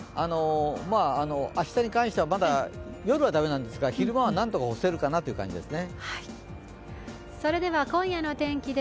明日に関してはまだ夜は駄目なんですが昼間はなんとか干せるかなっていう感じですね。